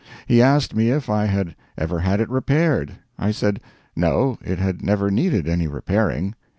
He asked me if I had ever had it repaired. I said no, it had never needed any repairing.